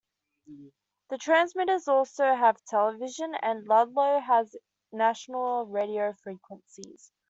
The transmitters also have television, and Ludlow has national radio frequencies.